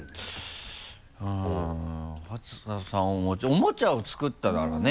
「おもちゃを作った」だからね。